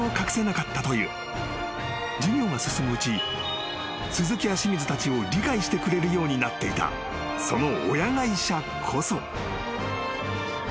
［事業が進むうち鈴木や清水たちを理解してくれるようになっていたその親会社こそ］